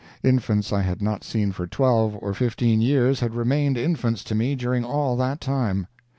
Infants I had not seen for twelve or fifteen years had remained infants to me during all that time.